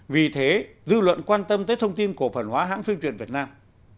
vì thế dư luận quan tâm tới thông tin cổ phần hóa hãng phim truyện việt nam